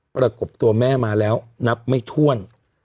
ประกบตัวแม่มาแล้วนับไม่ถ้วน